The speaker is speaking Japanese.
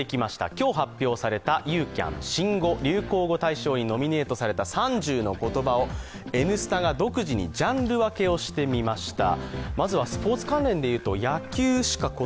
今日発表されたユーキャン新語・流行語大賞にノミネートされた３０の言葉を「Ｎスタ」が独自にジャンル分けをしてみました。